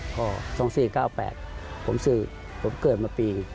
ก็๒๔๙๘ผมซื้อผมเกิดมาปี